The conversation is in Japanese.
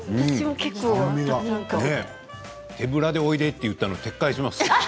手ぶらでおいでと言ったの撤回します。